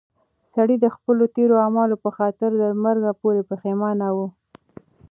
سړی د خپلو تېرو اعمالو په خاطر تر مرګ پورې پښېمانه و.